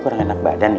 kurang enak badan ya